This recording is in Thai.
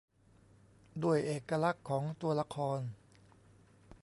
ด้วยเอกลักษณ์ของตัวละคร